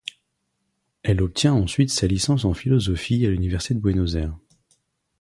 Elle obtient ensuite sa licence en philosophie à l’université de Buenos Aires.